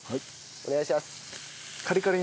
お願いします。